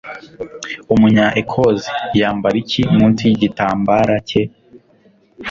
Umunya-Ecosse yambara iki munsi yigitambara cye?